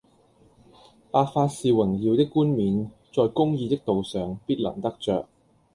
白髮是榮耀的冠冕，在公義的道上必能得著